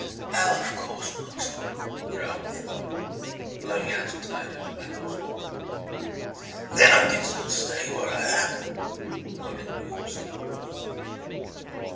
"Oh, of course not," drawled Truax, blowing out a cloud of tobacco smoke. "Then I guess I'll stay where I am," nodded Williamson.